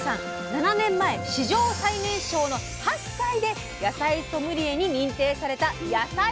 ７年前史上最年少の８歳で野菜ソムリエに認定された野菜博士です。